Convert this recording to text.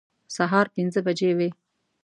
سهار پنځه بجې وې.